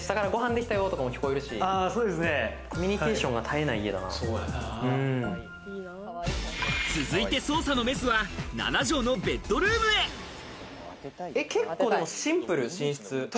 下から、ご飯できたよとか聞こえるし、コミニュケーションが絶えない家続いて捜査のメスは結構シンプル、寝室。